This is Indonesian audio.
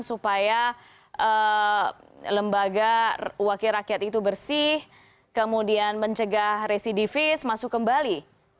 supaya lembaga wakil rakyat itu bersih kemudian mencegah residivis masuk kembali